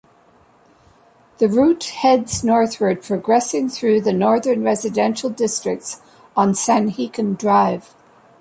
The route heads northward, progressing through the northern residential districts on Sanhican Drive.